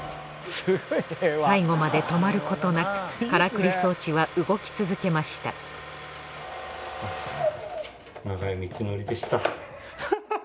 最後まで止まることなくからくり装置は動き続けましたハハハハ。